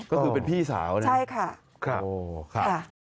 ก็คือเป็นพี่สาวเนี่ยใช่ค่ะ